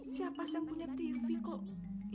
siapa yang punya tv kok